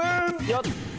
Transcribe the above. よっ。